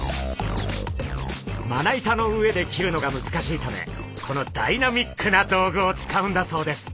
まな板の上で切るのが難しいためこのダイナミックな道具を使うんだそうです。